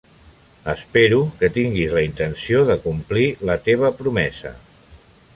Espero que tinguis la intenció de complir la teva promesa.